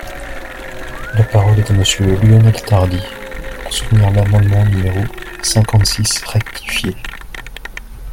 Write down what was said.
La parole est à Monsieur Lionel Tardy, pour soutenir l’amendement numéro cinquante-six rectifié.